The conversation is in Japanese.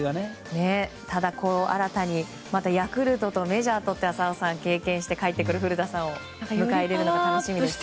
ただ、新たにヤクルトとメジャーと経験して帰ってくる古田さんを迎え入れるの楽しみですね。